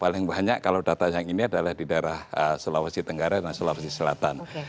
paling banyak kalau data yang ini adalah di daerah sulawesi tenggara dan sulawesi selatan